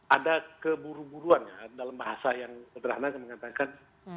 ada keburu buruan ya dalam bahasa yang sederhana saya mengatakan